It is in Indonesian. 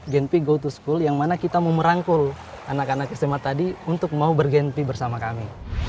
genpi go to school yang mana kita mau merangkul anak anak sma tadi untuk mau bergenpi bersama kami